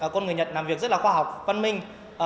con người nhật làm việc rất là khoa học văn minh